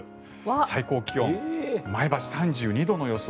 最高気温前橋、３２度の予想。